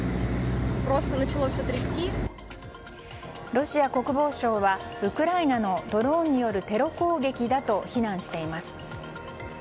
ロシア国防省はウクライナのドローンによるテロ攻撃だと非難しています。